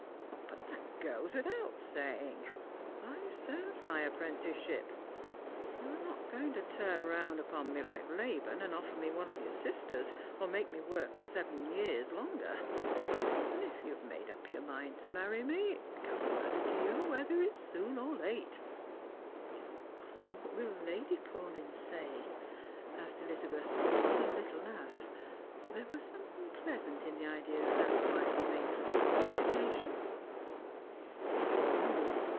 '' But that goes without saying. I've served my apprentice ship. You're not going to turn round upon nie like Laban, and offer me one of your sisters, or make me work seven years longer. And if you have made up your mind to marry me, it can't matter to you whether it's soon or late." " What will Lady Paulyn say ?" asked Elizabeth, with a little laugh. There was something pleasant in the idea of that wily matron's mortification.